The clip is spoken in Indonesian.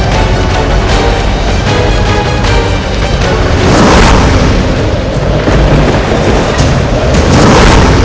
saya ingin menjawab kamu